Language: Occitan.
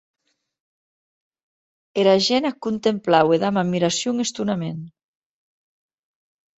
Era gent ac contemplaue damb admiracion e estonament.